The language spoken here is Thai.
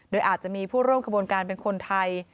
โดยอาจจะมีผู้ร่วมขบวนการเป็นคนไทย